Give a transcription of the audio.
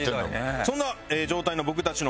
そんな状態の僕たちの元に。